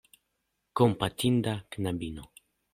Kompatinda knabino!